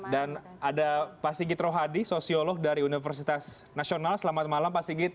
dan ada pak sigit rohadi sosiolog dari universitas nasional selamat malam pak sigit